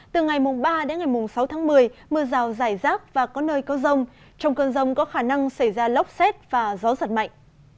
từ ngày ba đến ngày sáu tháng một mươi mưa rào rải rác và có nơi có rông trong cơn rông có khả năng xảy ra lốc xét và gió giật mạnh